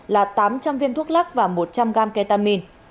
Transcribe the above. là tám trăm linh viên thuốc lắc và một trăm linh gram ketamin